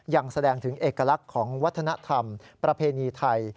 ยังแสดงถึงเอกลักษณ์ของวัฒนธรรมประเพณีไทย